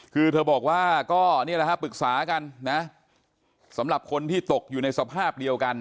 คือเธอบอกว่าก็นี่แหละฮะปรึกษากันนะสำหรับคนที่ตกอยู่ในสภาพเดียวกัน